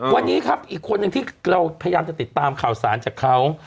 วันนี้ครับอีกคนนึงที่เราพยายามจะติดตามข่าวสารจากเขา